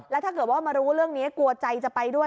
แล้วถ้าเกิดว่ามารู้เรื่องนี้กลัวใจจะไปด้วย